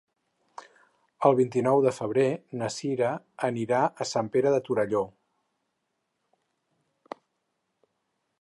El vint-i-nou de febrer na Sira anirà a Sant Pere de Torelló.